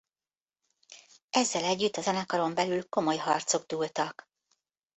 Ezzel együtt a zenekaron belül komoly harcok dúltak.